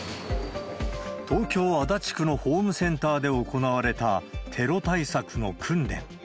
東京・足立区のホームセンターで行われた、テロ対策の訓練。